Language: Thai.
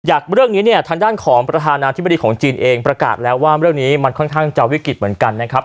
เรื่องนี้เนี่ยทางด้านของประธานาธิบดีของจีนเองประกาศแล้วว่าเรื่องนี้มันค่อนข้างจะวิกฤตเหมือนกันนะครับ